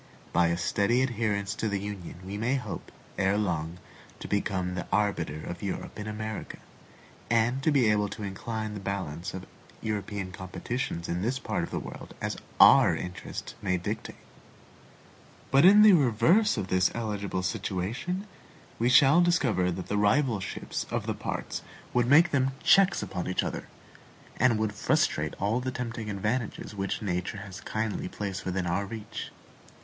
By a steady adherence to the Union we may hope, erelong, to become the arbiter of Europe in America, and to be able to incline the balance of European competitions in this part of the world as our interest may dictate. But in the reverse of this eligible situation, we shall discover that the rivalships of the parts would make them checks upon each other, and would frustrate all the tempting advantages which nature has kindly placed within our reach.